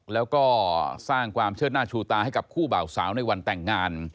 แล้วก็สร้างความเชิดหน้าชูตาให้กับคู่บ่าวสาวในวันแต่งงาน